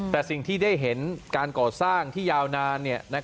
แต่สิ่งที่ได้เห็นการก่อสร้างที่ยาวนาน